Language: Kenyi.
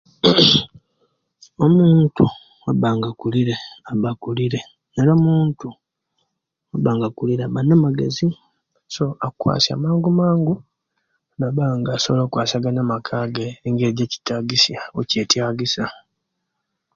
Omuntu awabanga akulire aba akulire era omuntu awaba nga akulire aba namagezi so akwasiya manmangu nabanga asobola okukwashagana amaka ge engeri ejitagisiya owejetagisiya